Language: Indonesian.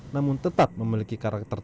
namun tetap memiliki karakteris